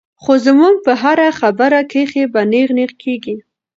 خو زمونږ پۀ هره خبره کښې به نېغ نېغ کيږي -